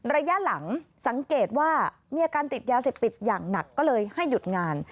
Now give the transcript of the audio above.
ระยะหลังสังเกตว่ามีอาการติดยาเสพติดอย่างหนักก็เลยให้หยุดงาน